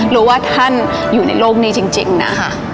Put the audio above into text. รู้ว่าท่านอยู่ในโลกนี้จริงนะคะ